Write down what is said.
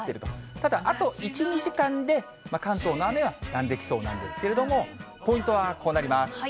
ただ、あと１、２時間で関東の雨はやんできそうなんですけれども、ポイントはこうなります。